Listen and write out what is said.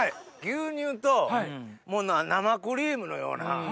牛乳と生クリームのような。